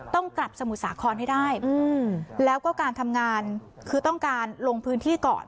ต้องกลับสมุทรสาครให้ได้แล้วก็การทำงานคือต้องการลงพื้นที่ก่อน